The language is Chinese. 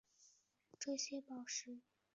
这些宝石比起一般宝石具有特殊能力。